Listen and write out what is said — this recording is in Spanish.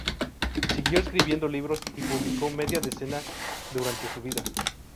Siguió escribiendo libros y publicó media decena durante su vida.